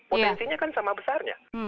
potensinya kan sama besarnya